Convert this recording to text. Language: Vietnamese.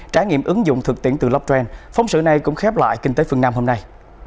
trải nghiệm ứng dụng thực tiễn từ blockchain phóng sự này cũng khép lại kinh tế phương nam hôm nay